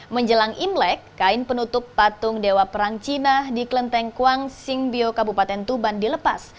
menjelang imlek kain penutup patung dewa perang cina di kelenteng kuang singbio kabupaten tuban dilepas